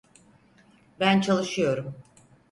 Ben çalışıyorum.